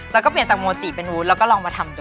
แล้วก็เปลี่ยนจากโมจิเป็นวูดแล้วก็ลองมาทำดู